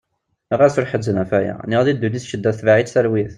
Ɣas ur ḥezzen ɣef aya. Neɣ di ddunit ccedda tebeε-itt talwit.